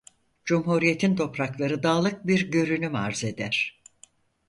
Cumhuriyetin toprakları dağlık bir görünüm arz eder.